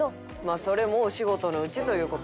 それもお仕事のうちという事か。